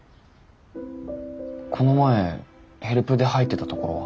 この前ヘルプで入ってたところは？